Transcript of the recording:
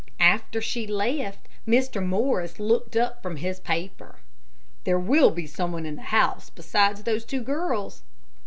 After she left, Mr. Morris looked up from his paper. "There will be some one in the house besides those two girls?"